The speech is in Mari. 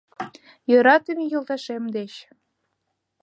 Йӧратыме йолташем деч.